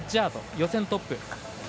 予選トップ。